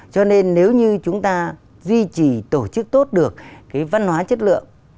cho nên nếu như chúng ta duy trì tổ chức tốt được cái văn hóa chất lượng